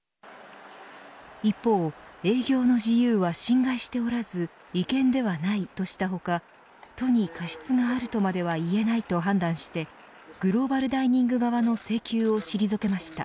一方、営業の自由は侵害しておらず違憲ではないとした他都に過失があるとまでは言えないと判断してグローバルダイニング側の請求を退けました。